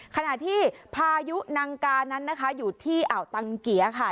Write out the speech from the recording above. ขณะที่พายุนังกานั้นนะคะอยู่ที่อ่าวตังเกียร์ค่ะ